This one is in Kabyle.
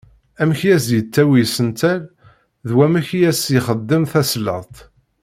Amek i as-d-yettawi isental d wamek i asen-ixeddem tasleḍt.